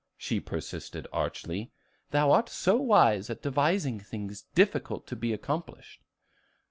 she persisted archly; "thou art so wise at devising things difficult to be accomplished."